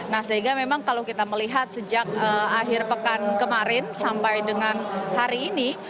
nah sehingga memang kalau kita melihat sejak akhir pekan kemarin sampai dengan hari ini